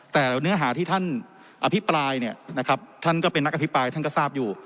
แต่เนื้อหาที่ท่านอภิปรายเนี่ยนะครับท่านก็เป็นนักอภิปรายท่านก็ทราบอยู่